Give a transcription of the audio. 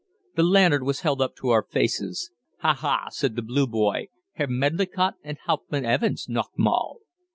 The lantern was held up to our faces. "Ha ha," said the "Blue Boy," "Herr Medlicott and Hauptmann Evans, noch mal."